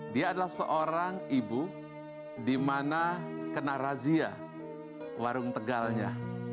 dia adalah seorang ibu di mana kena razia warung tegalnya